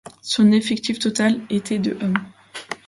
Son effectif total était de hommes.